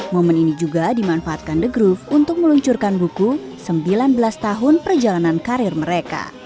momen ini juga dimanfaatkan the groove untuk meluncurkan buku sembilan belas tahun perjalanan karir mereka